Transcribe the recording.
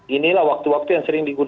inilah waktu waktu yang sering digunakan